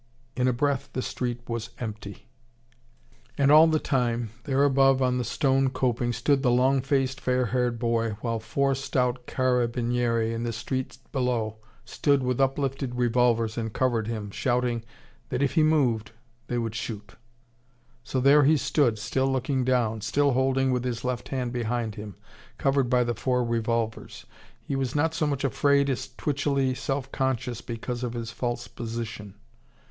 In a breath the street was empty. And all the time, there above on the stone coping stood the long faced, fair haired boy, while four stout carabinieri in the street below stood with uplifted revolvers and covered him, shouting that if he moved they would shoot. So there he stood, still looking down, still holding with his left hand behind him, covered by the four revolvers. He was not so much afraid as twitchily self conscious because of his false position.